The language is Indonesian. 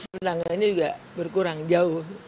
pelanggan ini juga berkurang jauh